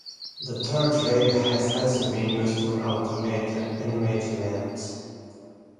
The third rail has also been used to automate and animate layouts.